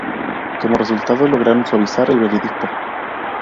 Como resultado, lograron suavizar el veredicto.